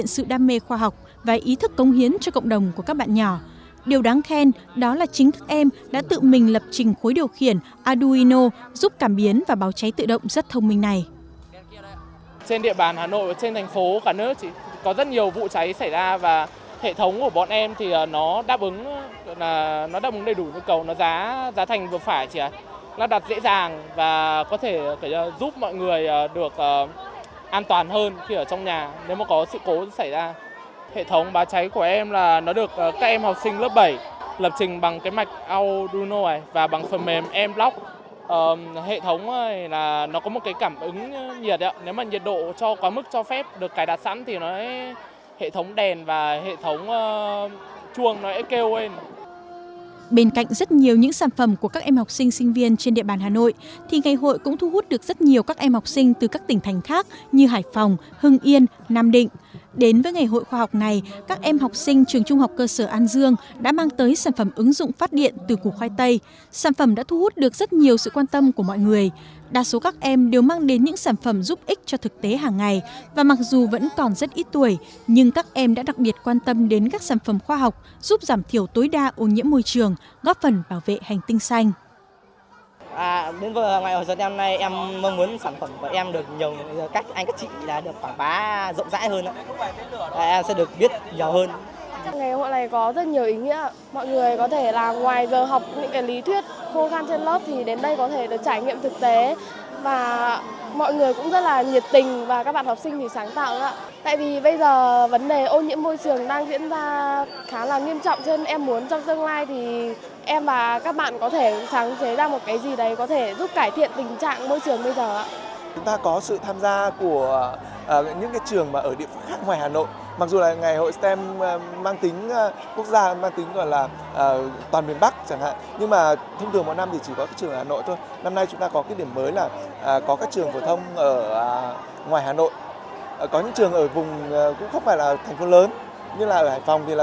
năm nay chúng ta có cái điểm mới là có các trường phổ thông ở ngoài hà nội có những trường ở vùng cũng không phải là thành phố lớn như là ở hải phòng thì là cũng ở vùng ven của hải phòng rồi là có cái sự góp mặt của trường cao đẳng nghề tức là mang cái tính định hướng nghề nghiệp rồi có những cái show biểu diễn thiết nghiệm khoa học nó rất là hấp dẫn học sinh đấy là những cái điểm mà mỗi mỗi năm nó sẽ có những cái điểm mới như vậy cho học sinh